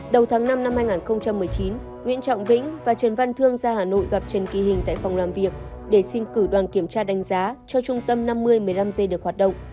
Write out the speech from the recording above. đầu tháng năm năm hai nghìn một mươi chín nguyễn trọng vĩnh và trần văn thương ra hà nội gặp trần kỳ hình tại phòng làm việc để xin cử đoàn kiểm tra đánh giá cho trung tâm năm mươi một mươi năm g được hoạt động